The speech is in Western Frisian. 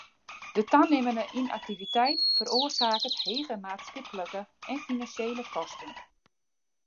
De tanimmende ynaktiviteit feroarsaket hege maatskiplike en finansjele kosten.